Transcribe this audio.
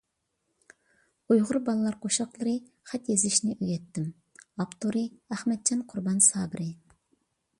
ئۇيغۇر بالىلار قوشاقلىرى: «خەت يېزىشنى ئۆگەتتىم»، ئاپتورى: ئەخمەتجان قۇربان سابىرى